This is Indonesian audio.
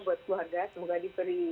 buat keluarga semoga diberi